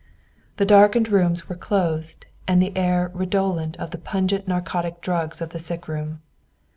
The darkened rooms were closed, and the air redolent of the pungent narcotic drugs of the sickroom.